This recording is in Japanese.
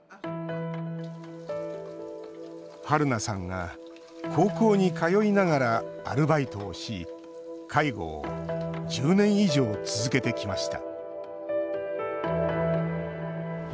はるなさんが高校に通いながらアルバイトをし介護を１０年以上続けてきました